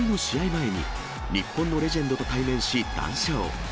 前に、日本のレジェンドと対面し、談笑。